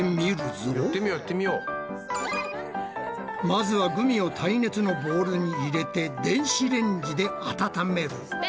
まずはグミを耐熱のボウルに入れて電子レンジで温める。